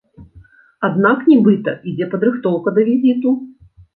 Аднак, нібыта, ідзе падрыхтоўка да візіту.